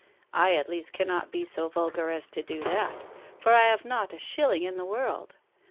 I at least cannot be so vulgar as to do that, for I have not a shilling in the world.